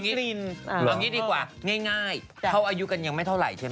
เอางี้ดีกว่าง่ายเขาอายุกันยังไม่เท่าไหร่ใช่ไหม